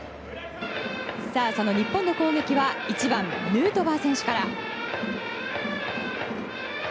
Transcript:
その日本の攻撃は１番、ヌートバー選手から。